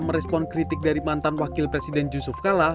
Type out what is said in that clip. merespon kritik dari mantan wakil presiden yusuf kala